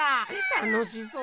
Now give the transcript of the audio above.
たのしそう。